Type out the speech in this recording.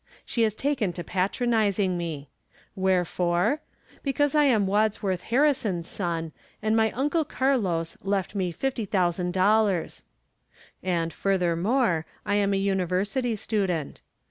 She has taken to patronizing me. Wherefore? Because I am Wadsworth Harri son's son, and my Uncle Carlos left me fifty thou sand dollars'; and, furthermore, I am a university student.